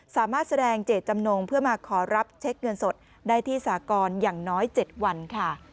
สามารถแสดงเจตจำนงเพื่อมาขอรับเช็คเงินสดได้ที่สากรอย่างน้อย๗วันค่ะ